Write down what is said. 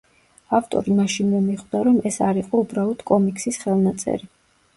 ავტორი მაშინვე მიხვდა რომ ეს არ იყო უბრალოდ კომიქსის ხელნაწერი.